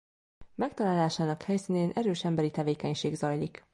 Megtalálásának helyszínén erős emberi tevékenység zajlik.